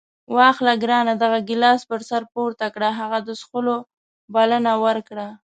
واخله ګرانه دغه ګیلاس پر سر پورته کړه. هغه د څښلو بلنه ورکړه.